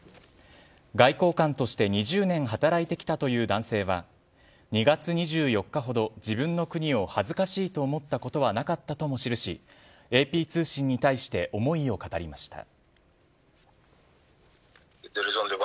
外交官として２０年働いてきたという男性は、２月２４日ほど自分の国を恥ずかしいと思ったことはなかったとも記し、ＡＰ通信に対して思いを語りました。